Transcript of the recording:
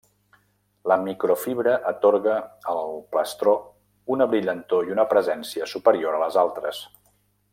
La microfibra atorga al plastró una brillantor i una presència superior a les altres.